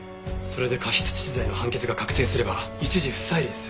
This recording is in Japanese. それで過失致死罪の判決が確定すれば一事不再理です。